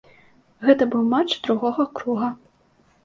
Гэта быў матч другога круга.